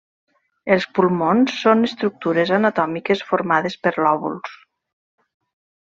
Els pulmons són estructures anatòmiques formades per lòbuls.